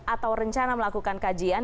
atau rencana melakukan kajian